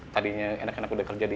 tadinya enak enak udah kerja di